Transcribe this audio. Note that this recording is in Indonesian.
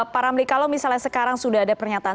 pak ramli kalau misalnya sekarang sudah ada pernyataan